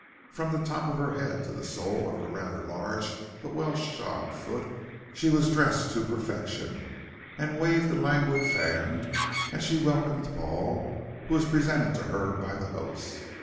From the top of her head to the sole of her rather large but well shod foot, she was dressed to perfection, and waved a languid fan as she welcomed Paul, who was presented to her by the host.